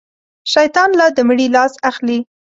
شيطان لا د مړي لاس اخلي.